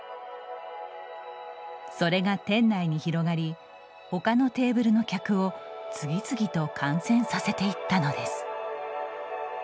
それが店内に広がりほかのテーブルの客を次々と感染させていったのです。